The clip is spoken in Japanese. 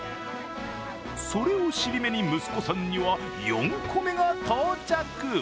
それを尻目に息子さんには４個目が到着。